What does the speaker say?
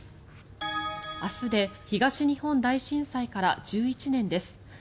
明日で東日本大震災から１１年です。